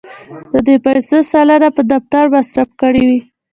د دې پیسو سلنه په دفتر مصرف کړې وې.